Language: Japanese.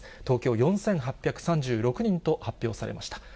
東京４８３６人と発表されました。